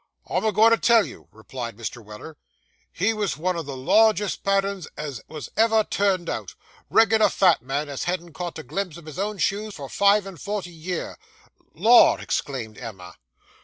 'I'm a going to tell you,' replied Mr. Weller; 'he was one o' the largest patterns as was ever turned out reg'lar fat man, as hadn't caught a glimpse of his own shoes for five and forty year.' 'Lor!' exclaimed Emma.